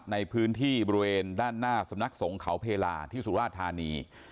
ในพื้นที่บริเวณด้านหน้าสำนักสงเขาเพลาที่สุราธานี